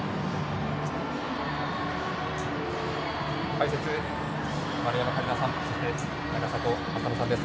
解説、丸山桂里奈さんそして永里亜紗乃さんです。